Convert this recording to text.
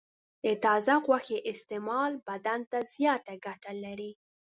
د تازه غوښې استعمال بدن ته زیاته ګټه لري.